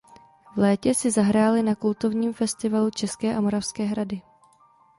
V létě si zahráli na kultovním festivalu České a Moravské hrady.